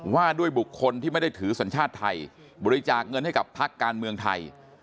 ว่าด้วยบุคคลที่ไม่ได้ถือสัญชาติไทยบริจาคเงินให้กับพักการเมืองไทย